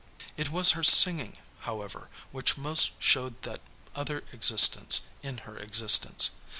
It was her singing, however, which most showed that other existence in her existence.